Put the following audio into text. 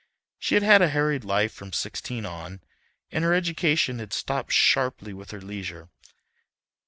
She had had a harried life from sixteen on, and her education had stopped sharply with her leisure.